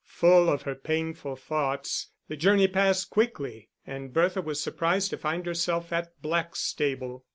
Full of her painful thoughts, the journey passed quickly, and Bertha was surprised to find herself at Blackstable.